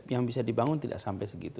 yang bisa dibangun tidak sampai segitu